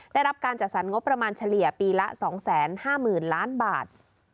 ได้รับการจัดสรรงบประมาณเฉลี่ยปีละ๒๕๐๐๐ล้านบาท